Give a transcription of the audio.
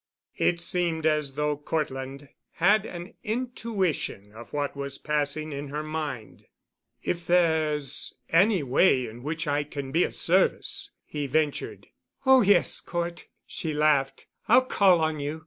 It seemed as though Cortland had an intuition of what was passing in her mind. "If there's any way in which I can be of service," he ventured. "Oh, yes, Cort," she laughed. "I'll call on you.